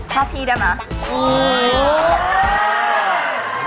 ถ้าพี่ได้มั้ย